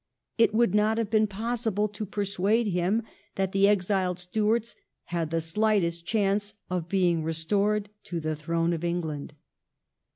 It would not have been possible to persuade him that the exiled Stuarts had the slightest chance of being restored to the throne of England.